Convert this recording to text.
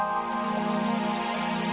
orang orang yang dikasih cinta